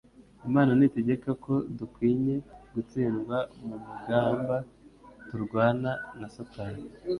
Imana ntitegeka ko dukwinye gutsindwa mu mgamba turwana na Satani.